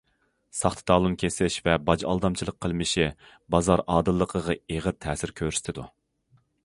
ساختا تالون كېسىش ۋە باج ئالدامچىلىق قىلمىشى بازار ئادىللىقىغا ئېغىر تەسىر كۆرسىتىدۇ.